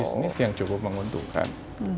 bisnis yang cukup menguntungkan